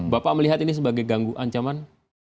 bapak melihat ini sebagai ganggu ancaman